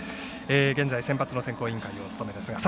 現在、センバツの選考委員を務めています。